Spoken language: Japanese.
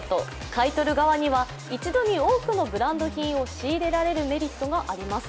買い取る側には一度に多くのブランド品を仕入れられるメリットがあります。